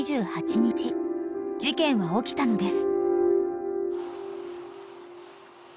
［事件は起きたのです］